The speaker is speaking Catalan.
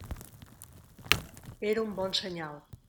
Era un bon senyal.